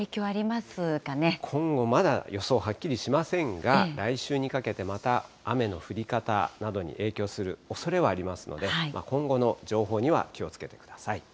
今後、まだ予想はっきりしませんが、来週にかけてまた雨の降り方などに影響するおそれはありますので、今後の情報には気をつけてください。